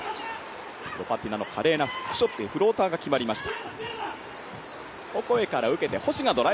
ロパティナの華麗なフックショットでフローターが決まりました。